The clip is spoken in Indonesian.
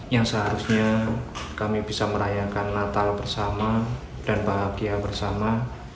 yang seharusnya kami bisa merayakan natal bersama dan bahagia bersama